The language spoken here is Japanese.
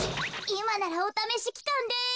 いまならおためしきかんです。